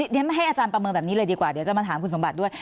เดี๋ยวให้อาจารย์ประเมินแบบนี้เลยดีกว่าเดี๋ยวจะมาถามคุณสมบัติด้วย